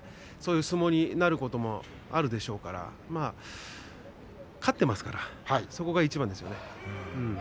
そういう相撲になることもあるでしょうから勝っていますからそこがいちばんですよね。